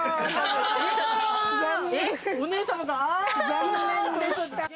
残念でした。